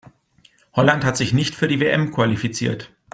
Holland hat sich nicht für die WM qualifiziert.